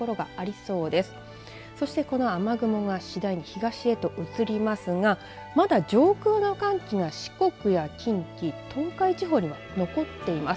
そして、この雨雲が次第に東へと移りますがまだ上空の寒気が四国や近畿東海地方には残っています。